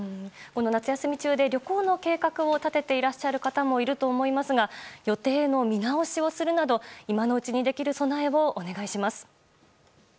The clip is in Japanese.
夏休み中で旅行の計画を立てている方もいると思いますが予定の見直しをするなど今のうちにできる備えをお願いします。